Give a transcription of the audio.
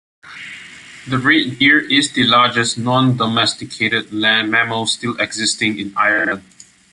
The red deer is the largest non-domesticated land mammal still existing in Ireland.